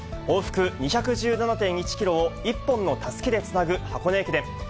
往復２１７．１キロを一本のたすきでつなぐ箱根駅伝。